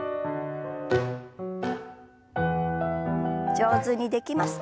上手にできますか？